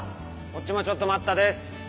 こっちもちょっと待ったです。